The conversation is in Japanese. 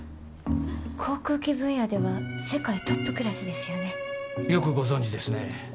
航空機分野では世界トップクラスですよね。よくご存じですね。